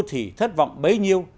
thì thất vọng bấy nhiêu